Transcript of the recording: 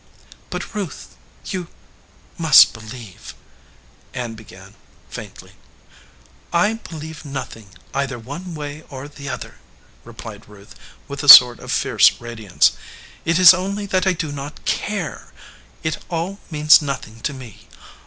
"But, Ruth, you must believe " Ann began, faintly. "I believe nothing, either one way or the other," replied Ruth, with a sort of fierce radiance. "It is only that I do not care. It all means nothing to me.